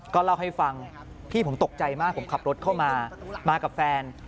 ก็เล่าให้ฟังพี่ผมตกใจมากผมขับรถเข้ามามากับแฟน